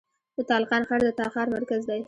د تالقان ښار د تخار مرکز دی